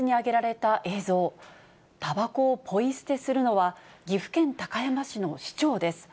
たばこをポイ捨てするのは、岐阜県高山市の市長です。